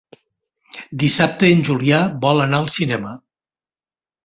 Dissabte en Julià vol anar al cinema.